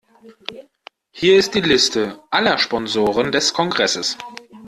Hier ist die Liste aller Sponsoren des Kongresses.